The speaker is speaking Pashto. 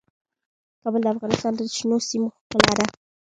کابل د افغانستان د شنو سیمو ښکلا ده.